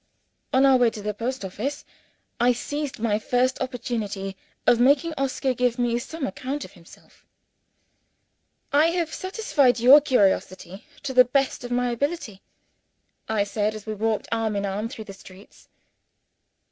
On our way to the post office, I seized my first opportunity of making Oscar give me some account of himself. "I have satisfied your curiosity, to the best of my ability," I said, as we walked arm in arm through the streets.